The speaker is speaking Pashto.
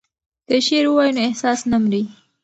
که شعر ووایو نو احساس نه مري.